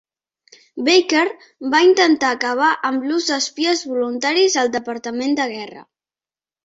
Baker va intentar acabar amb l'ús d'espies voluntaris al departament de guerra.